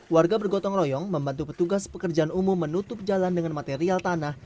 warga bergotong royong membantu petugas pekerjaan umum menutup jalan dengan material tanah